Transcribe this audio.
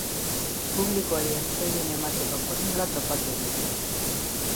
Publikoari atsegin emateko formula topatu dut.